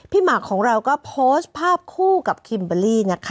พี่มากก็โพสทภาพคู่กับกิมเบอรี่นะคะ